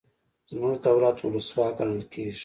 زموږ دولت ولسواک ګڼل کیږي.